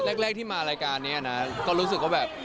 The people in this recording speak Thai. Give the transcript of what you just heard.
แรกที่มารายการนี้นะก็รู้สึกว่าแบบ